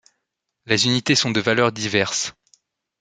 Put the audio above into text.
Les unités sont de valeurs diverses.